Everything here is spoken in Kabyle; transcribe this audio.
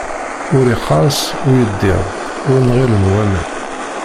Ur iqqeṛṣ uyeddid, ur nɣilen waman.